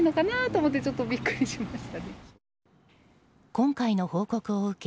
今回の報告を受け